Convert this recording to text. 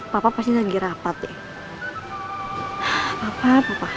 papa pasti lagi rapat ya